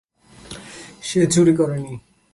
সে চুরি করেনি।